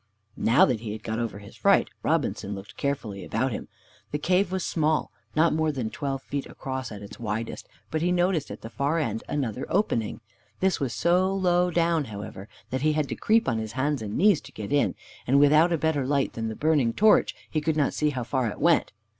Now that he had got over his fright, Robinson looked carefully about him. The cave was small, not more than twelve feet across at its widest, but he noticed at the far end another opening. This was so low down, however, that he had to creep on his hands and knees to get in, and without a better light than the burning torch, he could not see how far it went.